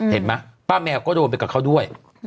เฮ่ยเมละป้าแมวก็โดนไปกับเธอด้วย